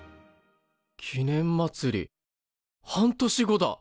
記念まつり半年後だ！